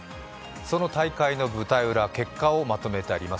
その大会の舞台裏、結果をまとめてあります。